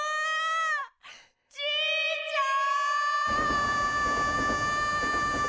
じいちゃん！